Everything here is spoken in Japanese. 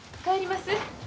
帰ります。